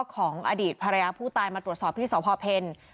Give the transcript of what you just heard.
ของอดีตภรรยาผู้ตายมาตรวจสอบที่สวพพรภินทธรรม